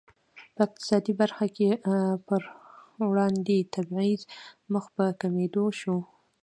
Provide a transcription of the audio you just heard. په اقتصادي برخه کې پر وړاندې تبعیض مخ په کمېدو شو.